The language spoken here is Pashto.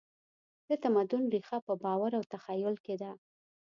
د تمدن ریښه په باور او تخیل کې ده.